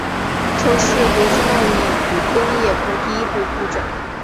曾是国际贸易与工业部第一副部长。